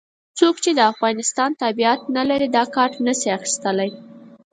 څوک چې د افغانستان تابعیت نه لري دا کارت نه شي اخستلای.